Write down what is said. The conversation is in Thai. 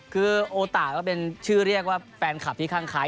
คือโอตะก็เป็นชื่อเรียกว่าแฟนคลับที่ข้างคล้าย